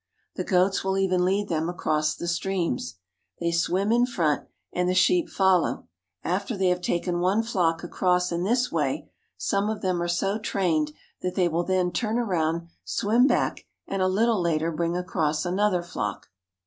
The goats will even lead them across the streams. They swim in front, and the sheep follow; after they have taken one flock across in this way, some of them are so trained that they will then turn around, swim back, and a little later bring across another flock.